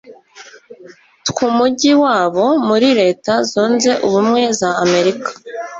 tw'umujyi wa bo muri leta zunze ubumwe z'amerika